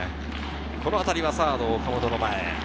この当たりはサード・岡本の前。